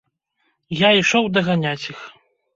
Я ішоў даганяць іх.